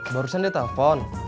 barusan dia telepon